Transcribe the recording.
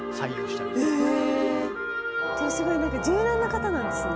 じゃあすごい柔軟な方なんですね。